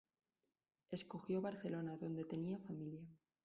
Escogió Barcelona, donde tenía familia.